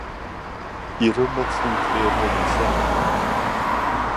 I rummet stod tre våningssängar.